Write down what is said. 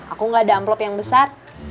aku gak ada amplop yang besar